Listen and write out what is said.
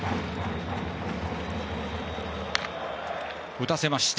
打たせました。